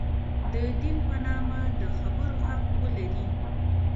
د دین په نامه د خبرو حق ولري.